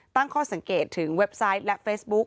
ตั้งข้อสังเกตถึงเว็บไซต์และเฟซบุ๊ค